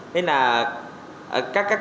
nên là các cái